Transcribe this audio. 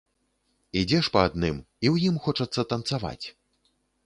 Ідзеш па адным, і ў ім хочацца танцаваць.